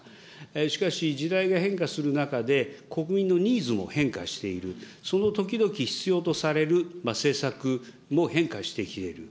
しかし、時代が変化する中で、国民のニーズも変化している、その時々必要とされる施策も変化してきている。